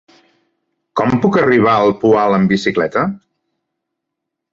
Com puc arribar al Poal amb bicicleta?